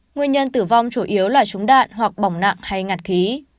nguyên nhân tử vong chủ yếu là trúng đạn hoặc bỏng nặng hay ngạt khí